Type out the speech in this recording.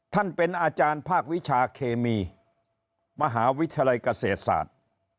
ท่านเป็นอาจารย์ภาควิชาเคมีมหาวิทยาลัยเกษตรศาสตร์